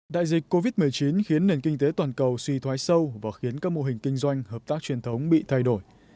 đại dịch covid một mươi chín khiến nền kinh tế toàn cầu suy thoái sâu và khiến các mô hình kinh doanh hợp tác truyền thống bị thay đổi